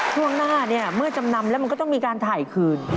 ช่วงหน้าเนี่ยเมื่อจำนำแล้วมันก็ต้องมีการถ่ายคืน